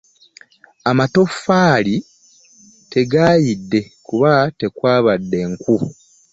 Amatoffaali tegaayidde kuba tekwabadde nku.